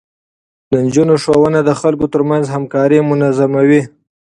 د نجونو ښوونه د خلکو ترمنځ همکاري منظموي.